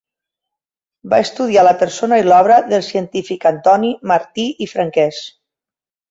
Va estudiar la persona i l'obra del científic Antoni Martí i Franquès.